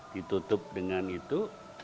ditutup dengan itu